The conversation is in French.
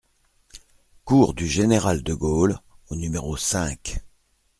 Cours du Général de Gaulle au numéro cinq